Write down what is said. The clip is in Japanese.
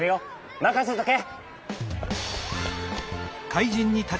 まかせとけ！